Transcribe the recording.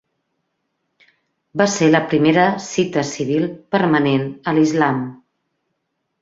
Va ser la primera cita civil permanent a l'Islam.